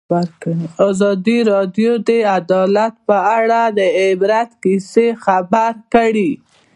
ازادي راډیو د عدالت په اړه د عبرت کیسې خبر کړي.